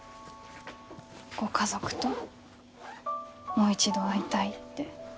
ご家族ともう一度会いたいって。